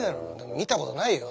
見たことないよ。